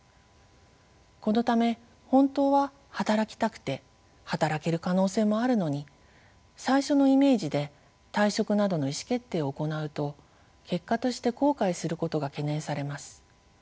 このため本当は働きたくて働ける可能性もあるのに最初のイメージで退職などの意思決定を行うと結果として後悔することが懸念されます。